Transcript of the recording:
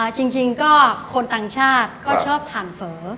จริงก็คนต่างชาติก็ชอบทานเฟ้อ